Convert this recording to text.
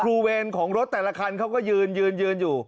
เวรของรถแต่ละคันเขาก็ยืนยืนอยู่